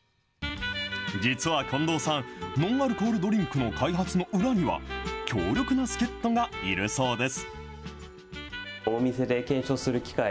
実は近藤さん、ノンアルコールドリンクの開発の裏には、強力な助っ人がいるそうです。